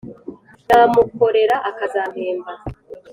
namukorera akazampemba